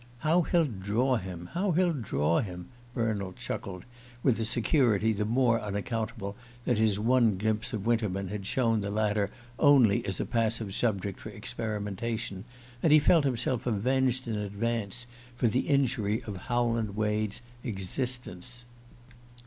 "How he'll draw him how he'll draw him!" Bernald chuckled, with a security the more unaccountable that his one glimpse of Winterman had shown the latter only as a passive subject for experimentation; and he felt himself avenged in advance for the injury of Howland Wade's existence.